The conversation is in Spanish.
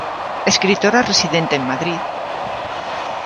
Escritora residente en Madrid.